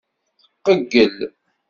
Tqeyyel.